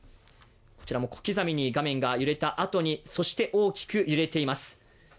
こちらも小刻みに画面が揺れたあとに、そして大きく揺れています。